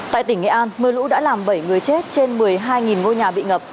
tại tỉnh nghệ an mưa lũ đã làm bảy người chết trên một mươi hai ngôi nhà bị ngập